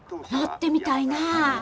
乗ってみたいなあ。